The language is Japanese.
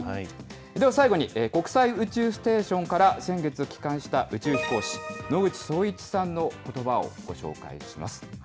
では最後に国際宇宙ステーションから先日帰還した宇宙飛行士、野口聡一さんのことばをご紹介します。